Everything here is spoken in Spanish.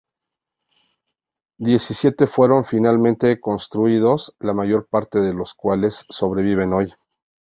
Diecisiete fueron finalmente construidos, la mayoría de los cuales sobreviven hoy.